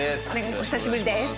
お久しぶりです。